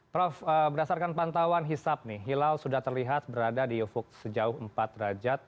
prof berdasarkan pantauan hisap nih hilal sudah terlihat berada di ufuk sejauh empat derajat